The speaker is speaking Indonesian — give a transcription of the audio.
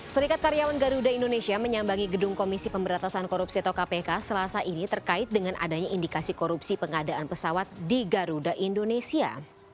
serikat karyawan garuda indonesia menyambangi gedung komisi pemberatasan korupsi atau kpk selasa ini terkait dengan adanya indikasi korupsi pengadaan pesawat di garuda indonesia